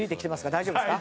大丈夫ですか？